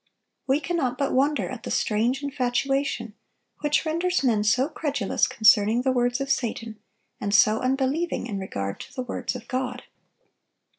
We cannot but wonder at the strange infatuation which renders men so credulous concerning the words of Satan, and so unbelieving in regard to the words of God.